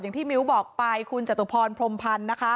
อย่างที่มิวบอกไปคุณจตุพรพรมพันธ์